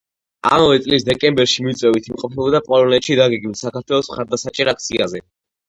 ამავე წლის დეკემბერში მიწვევით იმყოფებოდა პოლონეთში დაგეგმილ საქართველოს მხარდასაჭერ აქციაზე.